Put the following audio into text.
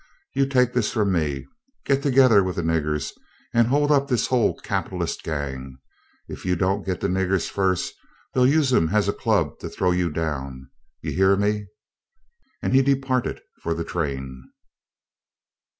You take this from me: get together with the niggers and hold up this whole capitalist gang. If you don't get the niggers first, they'll use 'em as a club to throw you down. You hear me," and he departed for the train.